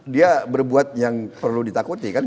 dia berbuat yang perlu ditakuti kan